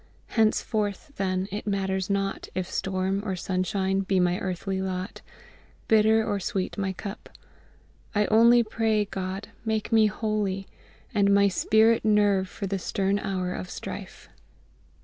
... Henceforth, then, it matters not, if storm or sunshine be my earthly lot, bitter or sweet my cup; I only pray, GOD, make me holy, And my spirit nerve for the stern hour of strife."